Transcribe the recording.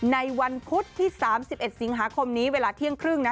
ในวันพุธที่๓๑สิงหาคมนี้เวลาเที่ยงครึ่ง